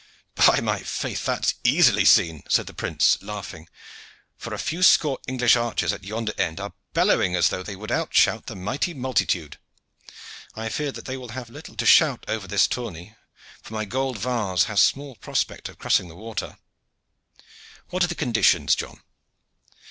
"By my faith! that's easily seen," said the prince, laughing, "for a few score English archers at yonder end are bellowing as though they would out shout the mighty multitude. I fear that they will have little to shout over this tourney, for my gold vase has small prospect of crossing the water. What are the conditions, John?"